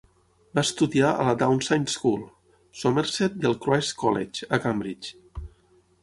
Va estudiar a la Downside School, Somerset, i al Christ's College, a Cambridge.